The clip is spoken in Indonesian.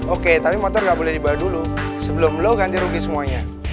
oke tapi motor nggak boleh dibawa dulu sebelum lo ganti rugi semuanya